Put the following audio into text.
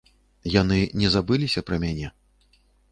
Яны не забыліся пра мяне.